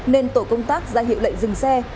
nên tổ công tác ra hiệu lệnh dừng xe